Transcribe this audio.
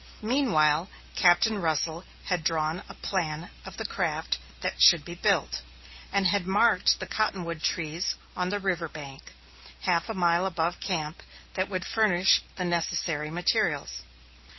Meanwhile, Captain Russell had drawn a plan of the craft that should be built, and had marked the cottonwood trees on the river bank, half a mile above camp, that would furnish the necessary materials.